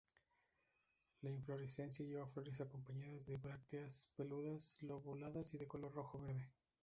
La inflorescencia lleva flores acompañadas de brácteas peludas, lobuladas y de color rojo-verde.